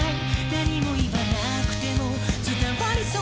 「何も言わなくても伝わりそうだから」